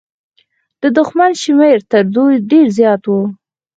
د دښمن شمېر تر دوی ډېر زيات و.